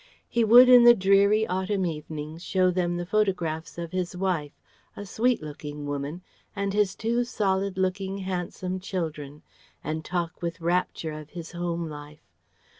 He would in the dreary autumn evenings show them the photographs of his wife a sweet looking woman and his two solid looking, handsome children, and talk with rapture of his home life.